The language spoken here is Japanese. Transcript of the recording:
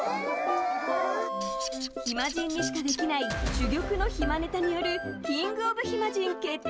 暇人にしかできない珠玉の暇ネタによるキングオブ暇人決定